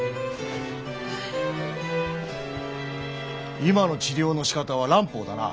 今の治療のしかたは蘭方だな？